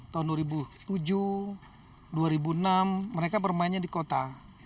tahun dua ribu tujuh dua ribu enam mereka bermainnya di kota